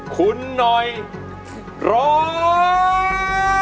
คุณหน่อยร้อง